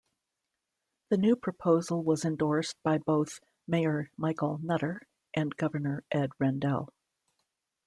The new proposal was endorsed by both Mayor Michael Nutter and Governor Ed Rendell.